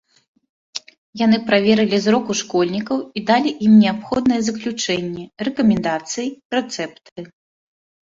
Яны праверылі зрок у школьнікаў і далі ім неабходныя заключэнні, рэкамендацыі, рэцэпты.